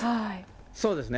そうですね。